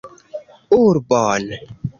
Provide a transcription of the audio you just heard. Urbon.